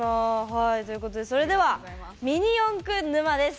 はいということでそれでは「ミニ四駆」沼です。